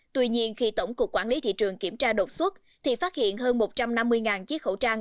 tuy nhiên khi tổng cục quản lý thị trường kiểm tra đột xuất thì phát hiện hơn một trăm năm mươi chiếc khẩu trang